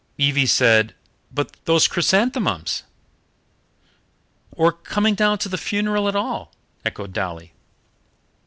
Evie said: "But those chrysanthemums " "Or coming down to the funeral at all " echoed Dolly.